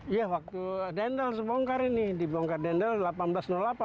iya waktu dendels membongkar ini dibongkar dendels seribu delapan ratus delapan